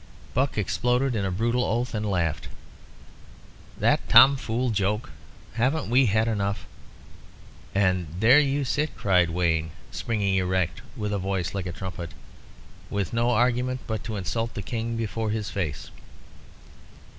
Buck exploded in a brutal oath and laughed. "That tomfool's joke. Haven't we had enough " "And there you sit," cried Wayne, springing erect and with a voice like a trumpet, "with no argument but to insult the King before his face."